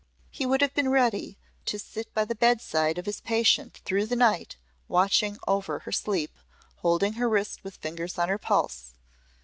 He would have been ready to sit by the bedside of his patient through the night watching over her sleep, holding her wrist with fingers on her pulse.